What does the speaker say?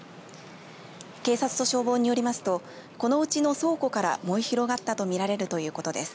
警察と消防によりますとこのうちの倉庫から燃え広がったと見られるということです。